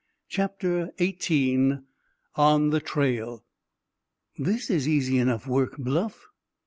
CHAPTER XVIII ON THE TRAIL "This is easy enough work, Bluff!"